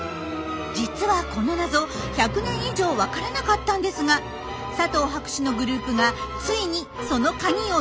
実はこの謎１００年以上分からなかったんですが佐藤博士のグループが遂にそのカギを見つけたんです。